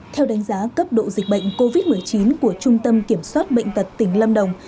theo đánh giá cấp độ dịch bệnh covid một mươi chín của trung tâm kiểm soát bệnh tật tỉnh lâm đồng